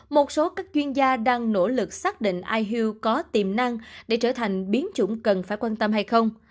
một số các chuyên gia đang nỗ lực xác định iuu có tiềm năng để trở thành biến chủng cần phải quan tâm hay không